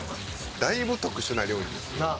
だいぶ特殊な料理です。